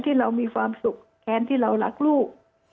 ที่เรามีความสุขแทนที่เรารักลูก